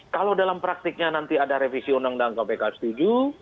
kalau dalam praktiknya nanti ada revisi undang undang kpk setuju